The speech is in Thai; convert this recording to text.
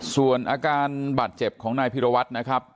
ส่วนอาการบาดเจ็บของนายพิรวัตรนะครับ